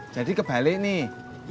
jadi kebalik nih